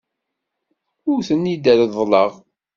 Ur ten-id-reḍḍleɣ.